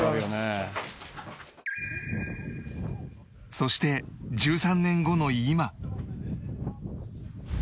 そして１３年後の今